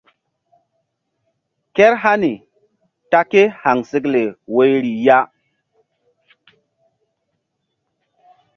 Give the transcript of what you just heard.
Kehr hani ta kéhaŋsekle woyri ya.